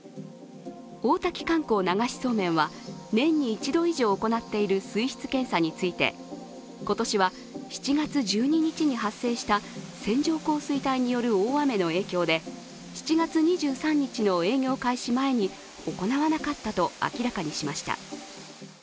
大滝観光流しそうめんは年に一度以上行っている水質検査について、今年は７月１２日に発生した線状降水帯による大雨の影響で７月２３日の営業開始前に行わなかったと明らかにしました。